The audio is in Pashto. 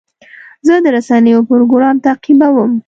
زه د رسنیو پروګرام تعقیبوم.